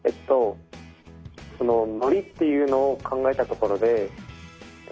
ノリっていうのを考えたところで絵文字？